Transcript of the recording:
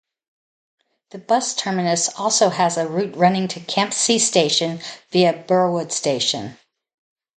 The bus terminus also has a route running to Campsie Station via Burwood Station.